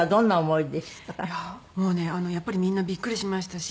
いやもうねやっぱりみんなびっくりしましたし。